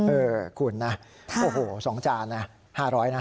เออคุณนะโอ้โห๒จานนะ๕๐๐นะ